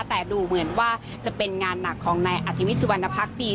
แต่ดูเหมือนว่าจะเป็นงานหนักของนายอธิวิทสุวรรณพักดี